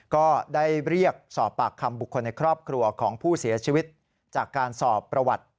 ก็ได้เรียกสอบปากคำบุคคลในครอบครัวของผู้เสียชีวิตจากการสอบประวัติ